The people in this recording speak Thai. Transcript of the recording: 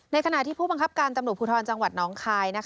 ขณะที่ผู้บังคับการตำรวจภูทรจังหวัดน้องคาย